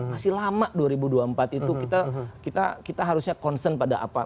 masih lama dua ribu dua puluh empat itu kita harusnya concern pada apa